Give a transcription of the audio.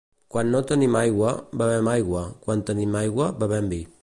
Quan no tenim aigua, bevem aigua, quan tenim aigua, bevem vi.